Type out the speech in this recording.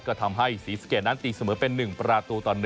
ก็ทำให้ศรีสะเกดนั้นตีเสมอเป็น๑ประตูต่อ๑